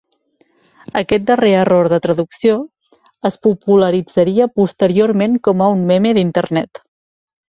Aquest darrer error de traducció es popularitzaria posteriorment com a un "meme" d'Internet.